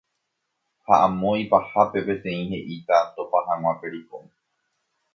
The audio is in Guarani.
Ha amo ipahápe peteĩ he'íta topa hag̃ua pericón